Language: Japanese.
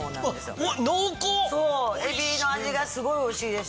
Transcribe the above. そうエビの味がすごいおいしいでしょ？